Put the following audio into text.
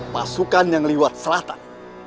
pasukan yang lewat selatan